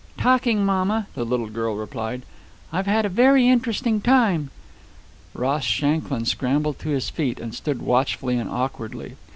"Talking, mamma," the little girl replied. "I've had a very interesting time." Ross Shanklin scrambled to his feet and stood watchfully and awkwardly.